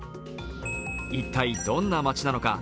一体どんな町なのか